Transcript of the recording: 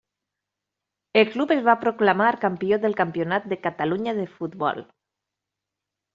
El club es va proclamar campió del Campionat de Catalunya de futbol.